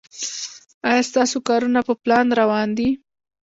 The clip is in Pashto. ایا ستاسو کارونه په پلان روان دي؟